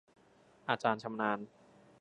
อาจารย์ชำนาญ